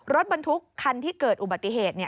รถบรรทุกคันที่เกิดอุบัติเหตุ